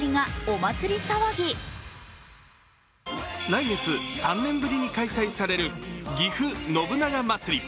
来月、３年ぶりに開催されるぎふ信長まつり。